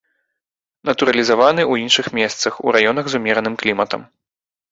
Натуралізаваны ў іншых месцах, у раёнах з умераным кліматам.